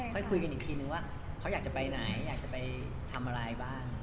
คุยกันอีกทีนึงว่าเขาอยากจะไปไหนอยากจะไปทำอะไรบ้าง